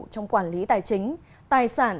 trong quản lý tài chính tài sản